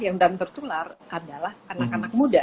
yang dan tertular adalah anak anakmu